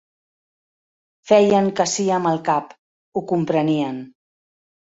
Feien que sí amb el cap. Ho comprenien.